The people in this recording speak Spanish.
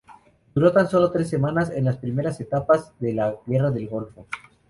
Duró tan solo tres semanas, en las primeras etapas de la Guerra del Golfo.